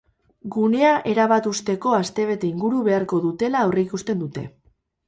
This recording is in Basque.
Gunea erabat husteko astebete inguru beharko dutela aurreikusten dute.